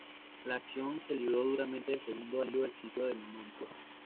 La acción se libró durante el segundo alivio del Sitio de Mantua.